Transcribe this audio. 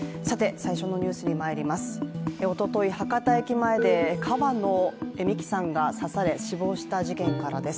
最初のニュースにまいります。